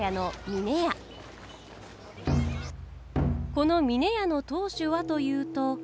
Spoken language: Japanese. この峰屋の当主はというと。